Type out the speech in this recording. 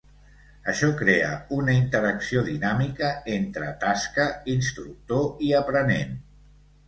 Això crea una interacció dinàmica entre tasca, instructor i aprenent.